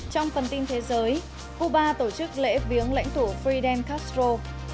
trong phần tin thế giới cuba tổ chức lễ viếng lãnh thủ freedom castro